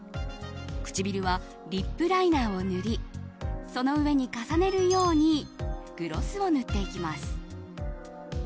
唇はリップライナーを塗りその上に重ねるようにグロスを塗っていきます。